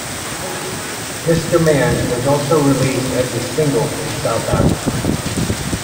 "Mister Man" was also released as a single in South Africa.